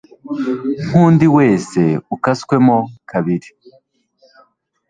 nk'undi wese ukaswemo kabiri